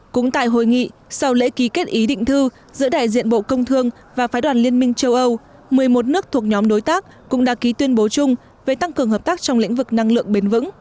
cũng tại hội nghị sau lễ ký kết ý định thư giữa đại diện bộ công thương và phái đoàn liên minh châu âu một mươi một nước thuộc nhóm đối tác cũng đã ký tuyên bố chung về tăng cường hợp tác trong lĩnh vực năng lượng bền vững